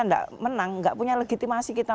tidak menang nggak punya legitimasi kita